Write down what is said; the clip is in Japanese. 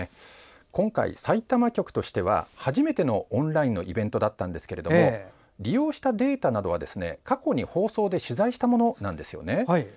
今回さいたま局としては初めてのオンラインイベントでしたが利用したデータなどは過去に放送で取材したものなんですよね。